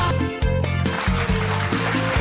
เฮ้ยใส่